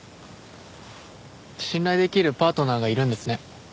信頼できるパートナーがいるんですね。